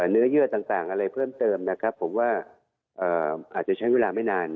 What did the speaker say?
เนื้อเยื่อต่างอะไรเพิ่มเติมนะครับผมว่าอาจจะใช้เวลาไม่นาน